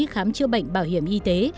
khám chữa bệnh bảo hiểm y tế